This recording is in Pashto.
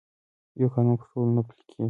یو قانون پر ټولو نه پلي کېږي.